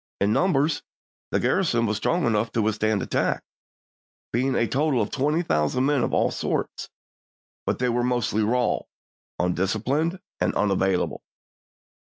In numbers the garrison was strong enough to withstand attack, being a total bSS, of twenty thousand men of all sorts, but they were Defenses of mostly raw, undisciplined, and unavailable.